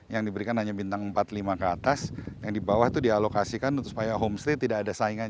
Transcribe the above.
yang diberikan hanya bintang empat lima ke atas yang di bawah itu dialokasikan supaya homestay tidak ada saingan